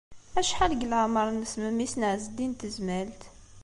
Acḥal deg leɛmeṛ-nnes memmi-s n Ɛezdin n Tezmalt?